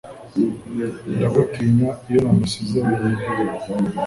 Ndagutinya iyo namusize wenyine